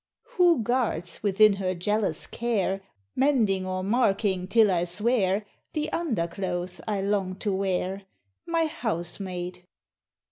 Who guards within her jealous care, Mending or marking, till I swear, The underclothes I long to wear? My Housemaid.